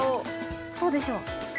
どうでしょう？